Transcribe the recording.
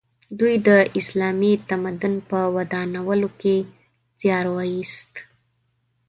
دوی د اسلامي تمدن په ودانولو کې زیار وایست.